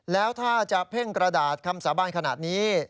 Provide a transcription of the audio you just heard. แล้วถ้าจะเพ่งกระดาษคำสาบานขนาดนี้